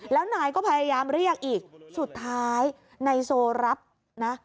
แล้วนายก็พยายามเรียกอีกสุดท้ายนายโซรับนะ